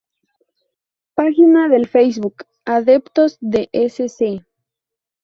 Página del Facebook: Adeptos de Sc.